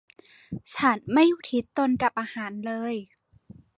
ฉันไม่อุทิศตนกับอาหารเลย